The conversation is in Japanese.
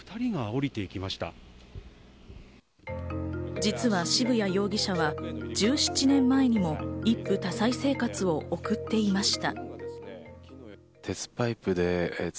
実は渋谷容疑者は１７年前にも一夫多妻生活を送っていました。